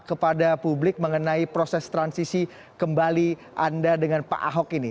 kepada publik mengenai proses transisi kembali anda dengan pak ahok ini